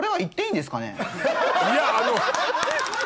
いやあの。